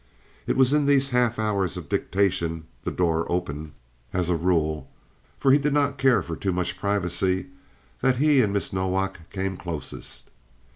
It was in these half hours of dictation—the door open, as a rule, for he did not care for too much privacy—that he and Miss Nowak came closest.